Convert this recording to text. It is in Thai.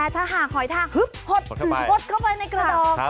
แต่ถ้าห่างหอยทากหดเข้าไปในกระดอง